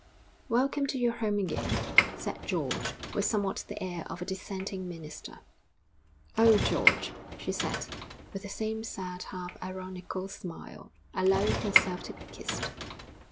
'Welcome to your home again,' said George, with somewhat the air of a dissenting minister. 'Oh, George!' she said, with the same sad, half ironical smile, allowing herself to be kissed.